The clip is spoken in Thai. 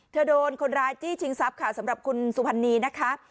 เธอโดนคนร้ายจี้ชิงซับค่ะสำหรับคุณสุภัณฑ์นีนะคะ